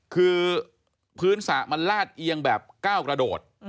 คือพื้นสระมันลาดเอียงแบบก้าวกระโดด